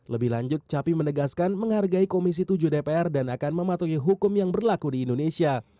lebih lanjut capim menegaskan menghargai komisi tujuh dpr dan akan mematuhi hukum yang berlaku di indonesia